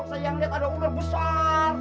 saya yang lihat ada ular besar